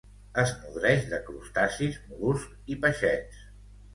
Es nodreix de crustacis, mol·luscs i peixets.